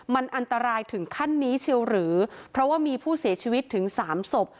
มันอันตรายถึงขั้นนี้เชียวหรือเพราะว่ามีผู้เสียชีวิตถึงสามศพ